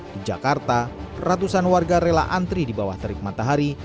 di jakarta ratusan warga rela antri di bawah terik matahari